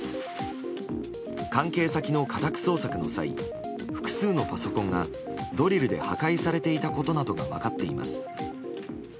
関係先の家宅捜索の際複数のパソコンがドリルで破壊されていたことなどが分かっています。